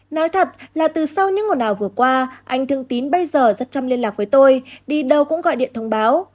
nói thật là từ sau những mùa nào vừa qua anh thương tín bây giờ rất chăm liên lạc với tôi đi đâu cũng gọi điện thông báo